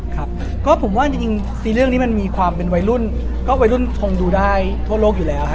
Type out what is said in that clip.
ครับก็ผมว่าจริงซีเรื่องนี้มันมีความเป็นวัยรุ่นก็วัยรุ่นคงดูได้ทั่วโลกอยู่แล้วฮะ